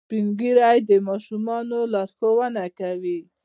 سپین ږیری د ماشومانو لارښوونه کوي